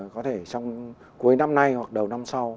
có thể trong cuối năm nay hoặc đầu năm sau